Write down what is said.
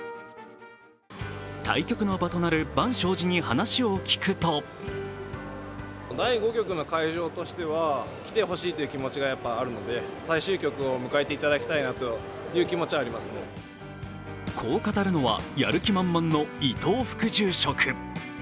対局の場となる万松寺に話を聞くとこう語るのは、やる気満々の伊藤副住職。